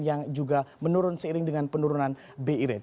yang juga menurun seiring dengan penurunan bi rate